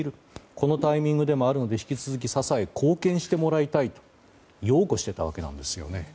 このタイミングでもあるので引き続き、支え貢献してもらいたいと擁護していたわけなんですよね。